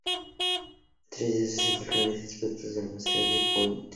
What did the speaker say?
Tres de esos ejemplares están expuestos en el Museo de West Point.